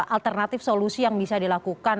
alternatif solusi yang bisa dilakukan